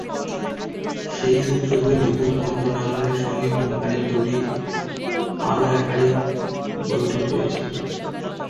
সেই সূত্র ধরে বিদ্যুৎ মন্ত্রণালয়ের সঙ্গে কোম্পানি দুটির আরও একাধিক বৈঠক হয়েছে।